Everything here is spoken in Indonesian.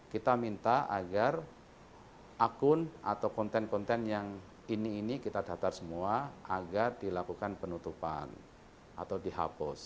kita minta agar akun atau konten konten yang ini ini kita datar semua agar dilakukan penutupan atau dihapus